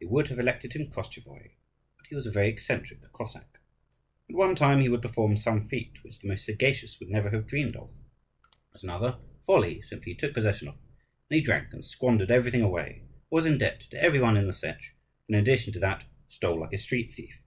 They would have elected him Koschevoi, but he was a very eccentric Cossack. At one time he would perform some feat which the most sagacious would never have dreamed of. At another, folly simply took possession of him, and he drank and squandered everything away, was in debt to every one in the Setch, and, in addition to that, stole like a street thief.